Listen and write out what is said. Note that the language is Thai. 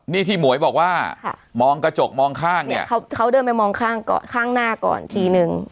นี่ที่หมวยบอกว่ามองกระจกมองข้างเนี่ยเขาเดินไปมองข้างหน้าก่อนทีนึง